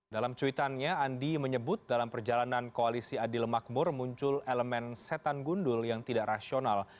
dalam cuitannya andi menyebut dalam perjalanan koalisi adil makmur muncul elemen setan gundul yang tidak rasional